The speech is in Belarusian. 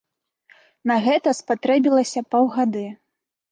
На гэта спатрэбілася паўгады.